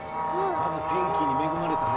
まず天気に恵まれてね。